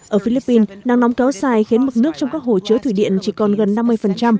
ở philippines nắng nóng kéo dài khiến mực nước trong các hồ chứa thủy điện chỉ còn gần năm mươi